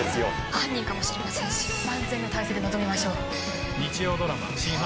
犯人かもしれませんし万全の態勢で臨みましょう。